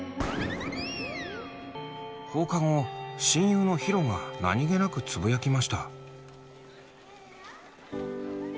「放課後親友のヒロが何気なくつぶやきました」。